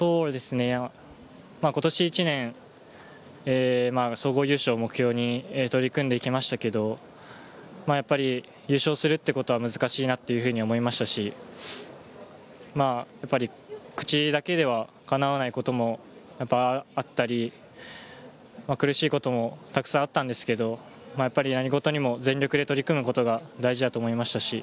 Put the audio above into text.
今年１年、総合優勝を目標に取り組んできましたけれど、やっぱり優勝することは難しいと思いましたし、口だけではかなわないこともあったり、苦しいことも沢山あったんですけれど、何事にも全力で取り組むことが大事だと思いました。